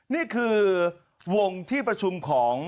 นี่คือวงที่ประชุมของ